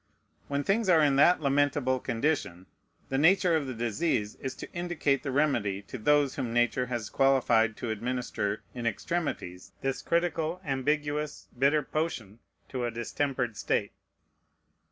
When things are in that lamentable condition, the nature of the disease is to indicate the remedy to those whom Nature has qualified to administer in extremities this critical, ambiguous, bitter potion to a distempered state.